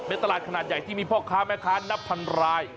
เป็นตลาดขนาดใหญ่ที่มีพ่อค้าแม่ค้านับพันราย